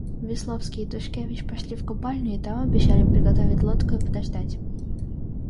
Весловский и Тушкевич пошли в купальню и там обещали приготовить лодку и подождать.